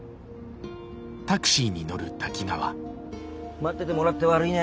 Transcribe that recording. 待っててもらって悪いね。